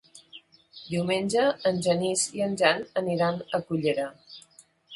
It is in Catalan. Diumenge en Genís i en Jan aniran a Cullera.